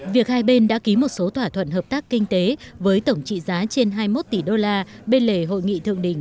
việc hai bên đã ký một số thỏa thuận hợp tác kinh tế với tổng trị giá trên hai mươi một tỷ đô la bên lề hội nghị thượng đỉnh